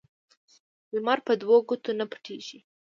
لمرپه دوو ګوتو نه پټيږي